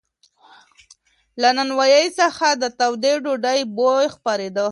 له نانوایۍ څخه د تودې ډوډۍ بوی خپرېده.